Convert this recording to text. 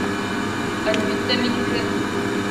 Әлбиттә, минеке.